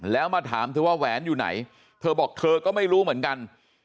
แล้วมาถามเธอว่าแหวนอยู่ไหนเธอบอกเธอก็ไม่รู้เหมือนกัน